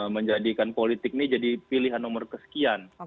menjadikan politik ini jadi pilihan nomor kesekian